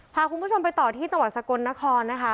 พาคุณผู้ชมไปต่อที่จังหวัดสกลนครนะคะ